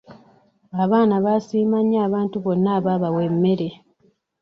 Abaana baasiima nnyo abantu bonna abaabawa emmere.